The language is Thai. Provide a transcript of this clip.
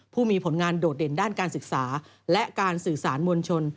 ผู้มีผลงานโดดเด่นด้านการศึกษาและการสื่อสารมวลชน